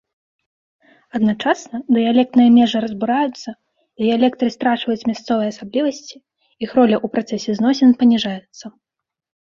Адначасна, дыялектныя межы разбураюцца, дыялекты страчваюць мясцовыя асаблівасці, іх роля ў працэсе зносін паніжаецца.